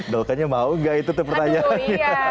dokternya mau gak itu tuh pertanyaannya